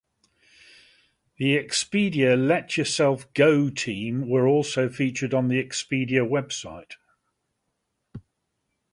The Expedia Let Yourself Go Team were also featured on the Expedia website.